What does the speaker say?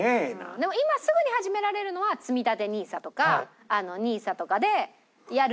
でも今すぐに始められるのはつみたてＮＩＳＡとかＮＩＳＡとかでやるのが一番こう。